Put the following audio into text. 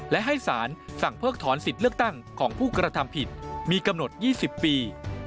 และให้สารสั่งเพิกถอนสิทธิ์เลือกตั้งของผู้กระทำผิดมีกำหนด๒๐ปี